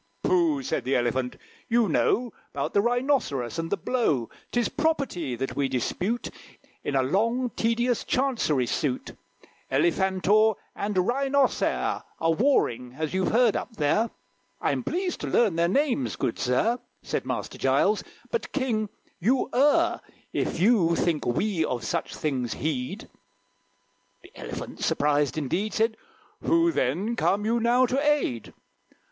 "Pooh!" said the Elephant; "you know 'Bout the Rhinoceros, and the blow; 'Tis property that we dispute. In a long, tedious Chancery suit Elephantor and Rhinocere Are warring, as you've heard up there." "I'm pleased to learn their names, good sir," Said Master Giles; "but, King, you err If you think we of such things heed." The Elephant, surprised indeed, Said, "Who, then, come you now to aid?"